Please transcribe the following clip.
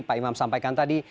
pak imam sampaikan tadi